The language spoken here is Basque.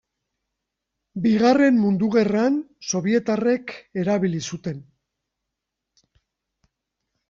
Bigarren Mundu Gerran sobietarrek erabili zuten.